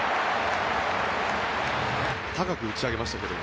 高く打ち上げましたけど。